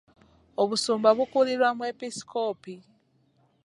Obusumba bukulirwa mwepisikoopi.